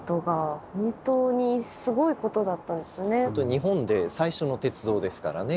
日本で最初の鉄道ですからね